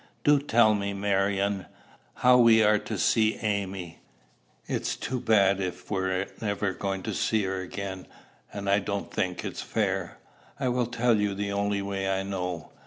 Do tell me, Marion, how we are to see Amy. It's too bad if we're never to see her again; and I don't think it's fair." "I will tell you the only way I know.